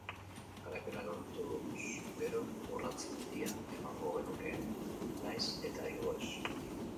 Garaipena lortuz gero urrats handia emango genukeen nahiz eta igo ez.